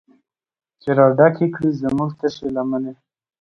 چې راډکې کړي زمونږ تشې لمنې